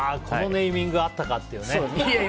このネーミングあったかというね。